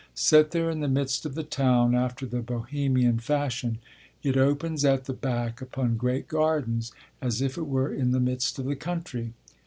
Set there in the midst of the town, after the Bohemian fashion, it opens at the back upon great gardens, as if it were in the midst of the country.